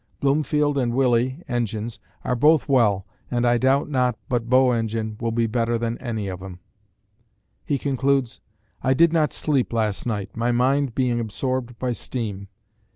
Bloomfield and Willey (engines) are both well, and I doubt not but Bow engine will be better than any of 'em. He concludes, "I did not sleep last night, my mind being absorbed by steam."